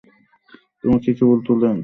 তোমাকে কেবল তুলে আনতে হত।